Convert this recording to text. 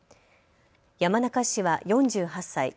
山中氏は４８歳。